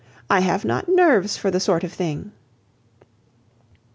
I have not nerves for the sort of thing."